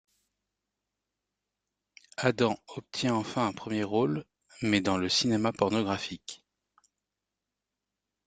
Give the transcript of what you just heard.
Adam obtient enfin un premier rôle, mais...dans le cinéma pornographique.